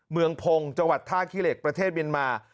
เมืองพงศ์จังหวัดท่าขี้เหล็กประเทศเมียนมา